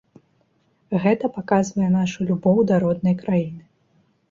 Гэта паказвае нашу любоў да роднай краіны.